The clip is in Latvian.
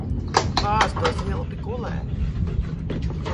Bāz to svilpi kulē.